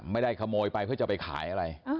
ไม่ได้ขโมยไปเพื่อจะไปขายอะไร